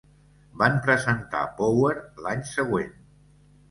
Van presentar "Power" l'any següent.